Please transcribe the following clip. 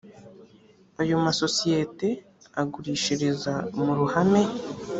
ayo masosiyete agurishiriza mu ruhame